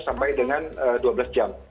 sampai dengan dua belas jam